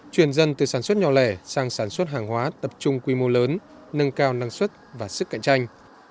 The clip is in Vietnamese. chuyển dân từ sản xuất nhỏ lẻ sang sản xuất hàng hóa tập trung quy mô lớn nâng cao năng suất và sức cạnh tranh